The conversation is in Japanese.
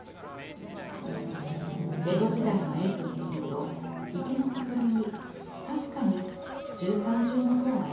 江戸時代の絵図を見ると池のほとりに確かに十三重塔が描かれています。